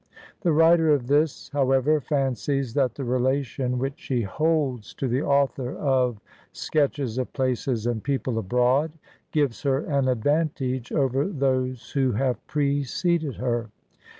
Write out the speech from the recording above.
The writer of this, however, fancies that the relation which she holds to the author of " Sketches of Places and People Abroad, " gives her an advantage over those who have preceded her.